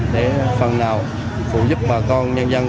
để phần nào phụ giúp bà con nhân dân